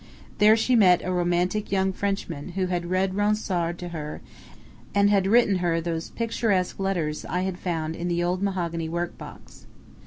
There she met a romantic young Frenchman who had read Ronsard to her and written her those picturesque letters I had found in the old mahogany work box.